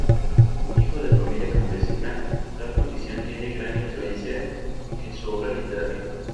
Hijo de familia campesina, tal condición tiene gran influencia en su obra literaria.